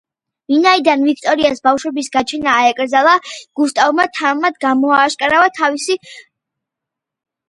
ვინაიდან ვიქტორიას ბავშვების გაჩენა აეკრძალა, გუსტავმა თამამად გამოააშკარავა თავისი ჰომოსექსუალური მიდრეკილებები.